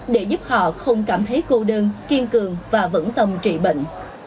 để giúp họ không cảm thấy cô đơn kiên cường và vững tâm trị bệnh